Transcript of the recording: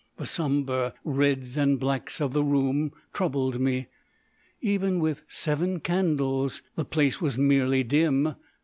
The sombre reds and blacks of the room troubled me; even with seven candles the place was merely dim.